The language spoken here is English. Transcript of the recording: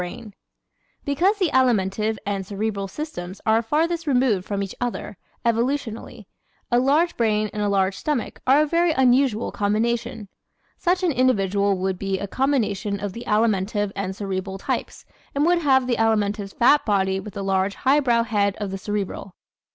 Brain ¶ Because the Alimentive and Cerebral systems are farthest removed from each other, evolutionally, a large brain and a large stomach are a very unusual combination. Such an individual would be a combination of the Alimentive and Cerebral types and would have the Alimentive's fat body with a large highbrow head of the Cerebral.